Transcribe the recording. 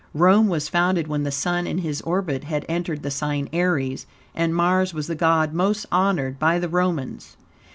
Rome was founded when the Sun in his orbit had entered the sign Aries, and Mars was the god most honored by the Romans.